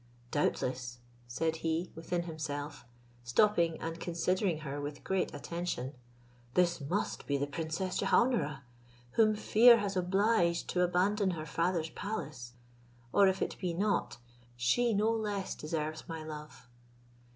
"Doubtless," said he, within himself, stopping and considering her with great attention, "this must be the princess Jehaun ara, whom fear has obliged to abandon her father's palace; or if it be not, she no less deserves my love."